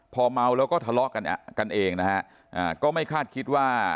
พอเมาแล้วก็ทะเลาะกันกันเองนะฮะก็ไม่คาดคิดว่า